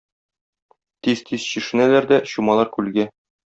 Тиз-тиз чишенәләр дә чумалар күлгә.